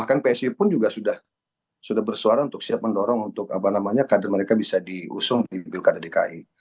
bahkan psi pun juga sudah bersuara untuk siap mendorong untuk kader mereka bisa diusung di pilkada dki